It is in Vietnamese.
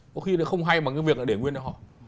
có khi lại không hay bằng cái việc để nguyên cho họ